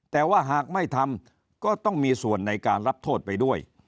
แต่ว่าหากไม่ทำก็ต้องมีส่วนในการรับโทษไปด้วย